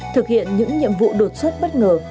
thực hiện những nhiệm vụ đột xuất bất ngờ